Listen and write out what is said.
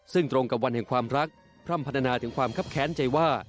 ซึ่งตรงกับวันแห่งความรักพร่ำพัฒนาถึงความคับแค้นใจว่า